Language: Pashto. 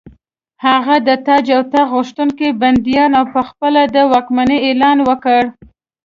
هغه د تاج او تخت غوښتونکي بندیان او په خپله د واکمنۍ اعلان وکړ.